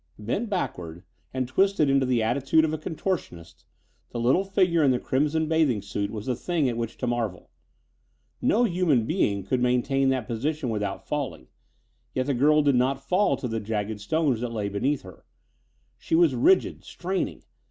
Bent backward and twisted into the attitude of a contortionist, the little figure in the crimson bathing suit was a thing at which to marvel. No human being could maintain that position without falling, yet the girl did not fall to the jagged stones that lay beneath her. She was rigid, straining.